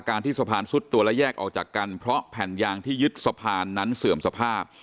ที่สะพานซุดตัวและแยกออกจากกันเพราะแผ่นยางที่ยึดสะพานนั้นเสื่อมสภาพ